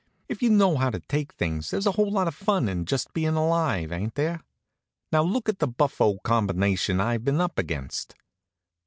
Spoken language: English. If you know how to take things there's a whole lot of fun in just bein' alive; ain't there? Now look at the buffo combination I've been up against.